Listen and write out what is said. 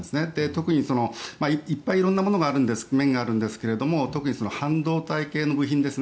特に、いっぱい色んな面があるんですが特に半導体系の部品。